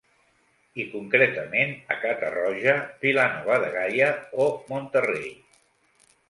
I concretament a Catarroja, Vila Nova de Gaia o Monterrey.